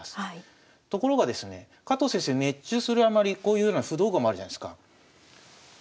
ところがですね加藤先生熱中するあまりこういうような不動駒あるじゃないですか。